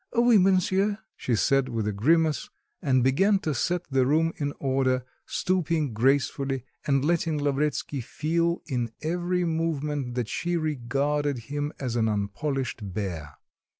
"Oui, monsieur," she said with a grimace, and began to set the room in order, stooping gracefully, and letting Lavretsky feel in every movement that she regarded him as an unpolished bear.